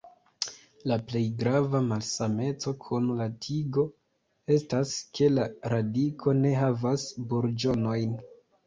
La plej grava malsameco kun la tigo estas ke la radiko ne havas burĝonojn.